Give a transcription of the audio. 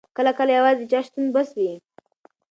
کله کله یوازې د چا شتون بس وي.